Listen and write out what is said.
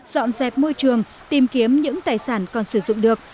dọn dẹp môi trường tìm kiếm những tài sản còn sử dụng được